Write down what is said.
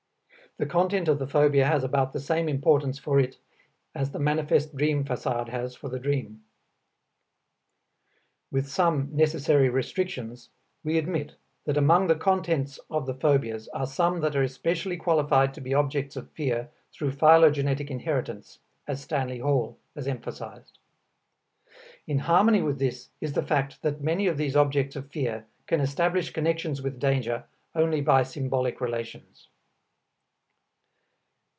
The content of the phobia has about the same importance for it as the manifest dream facade has for the dream. With some necessary restrictions, we admit that among the contents of the phobias are some that are especially qualified to be objects of fear through phylogenetic inheritance, as Stanley Hall has emphasized. In harmony with this is the fact that many of these objects of fear can establish connections with danger only by symbolic relations.